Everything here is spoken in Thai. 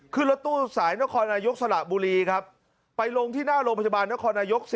ขึ้นรถตู้สายนครนายกสละบุรีครับไปลงที่หน้าโรงพยาบาลนครนายก๔